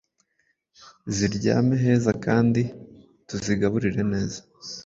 ziryame heza kandi tuzigaburire neza